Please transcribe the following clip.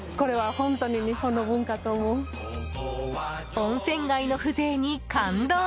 温泉街の風情に感動！